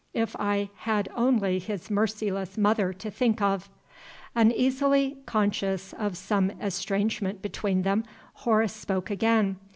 if I had only his merciless mother to think of!" Uneasily conscious of some estrangement between them, Horace spoke again.